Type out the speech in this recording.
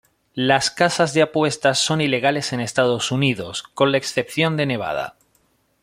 Las casas de apuestas son ilegales en Estados Unidos, con la excepción de Nevada.